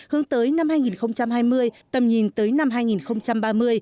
hướng tới năm hai nghìn hai mươi